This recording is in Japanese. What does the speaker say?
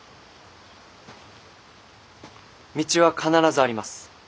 道は必ずあります。